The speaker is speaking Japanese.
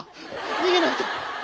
逃げないと！